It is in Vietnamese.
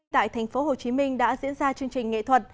tại tp hcm đã diễn ra chương trình nghệ thuật